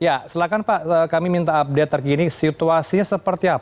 ya silahkan pak kami minta update terkini situasinya seperti apa